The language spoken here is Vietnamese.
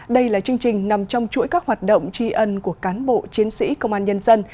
đây là chương trình nằm trong chuỗi các hoạt động tri ân của cán bộ chiến sĩ công an nhân dân